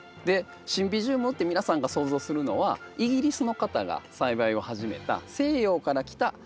シンビジウムって皆さんが想像するのはイギリスの方が栽培を始めた西洋から来た洋ランのひとつですよね。